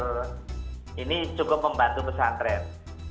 dan pesantren ini juga membantu pesantren